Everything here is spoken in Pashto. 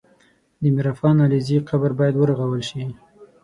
د میرافغان علیزي قبر باید ورغول سي